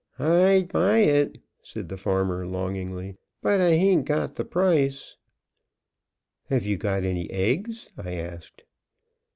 "I'd buy it," said the farmer, longingly, "but I hain't got the price." "Have you got any eggs?" I asked.